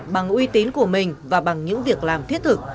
bằng uy tín của mình và bằng những việc làm thiết thực